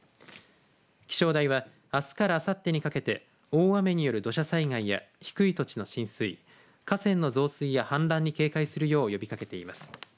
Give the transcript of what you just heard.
気象台はあすからあさってにかけて大雨による土砂災害や低い土地の浸水河川の増水や氾濫に警戒するよう呼びかけています。